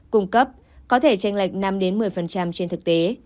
cung cấp có thể tranh lệch năm một mươi trên thực tế